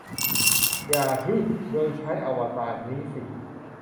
อย่า 'ฮึ' โดยใช้อวตารนี้สิ